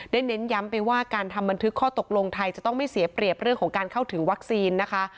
เน้นย้ำไปว่าการทำบันทึกข้อตกลงไทยจะต้องไม่เสียเปรียบเรื่องของการเข้าถึงวัคซีนนะคะ